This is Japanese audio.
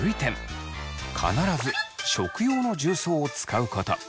必ず食用の重曹を使うこと。